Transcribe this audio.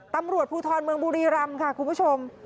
ตำรวจภูทรเมืองบุรีรำค่ะคุณผู้ชม